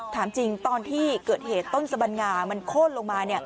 ถามจริงตอนที่เกิดเหตุต้นสบัญงามันโค้นลงมา